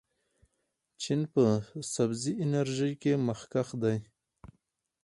چین په سبزې انرژۍ کې مخکښ دی.